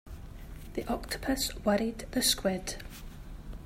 The octopus worried the squid.